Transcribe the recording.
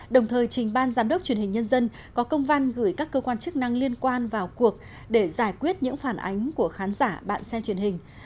đồng thời trình ban giám đốc truyền hình nhân dân có công văn gửi các cơ quan chức năng liên quan vào cuộc để giải quyết những phản ánh của khán giả bạn xem truyền hình